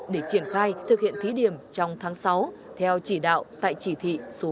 để triển khai thực hiện thí điểm trong tháng sáu theo chỉ đạo tại chỉ thị số năm